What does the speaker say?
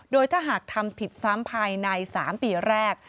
โดยถ้าหากทำผิดซ้ำภายใน๓ปีแรก